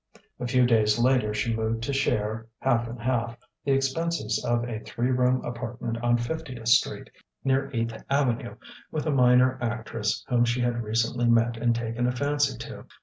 A few days later she moved to share, half and half, the expenses of a three room apartment on Fiftieth Street, near Eighth Avenue, with a minor actress whom she had recently met and taken a fancy to.